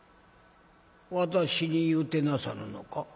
「私に言うてなさるのか？」。